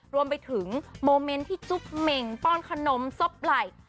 รวมไปถึงโมเมนต์ที่จุ๊บเหม่งป้อนขนมซบไหล่